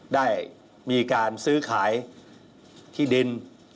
ได้มีการซื้อขายที่ดิน